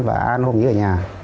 và an hôm nay ở nhà